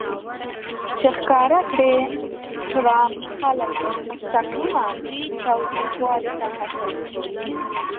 چې ښکاره کړي ټرمپ خلک مستقیماً تاوتریخوالي ته هڅوي